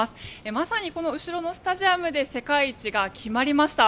まさに、この後ろのスタジアムで世界一が決まりました。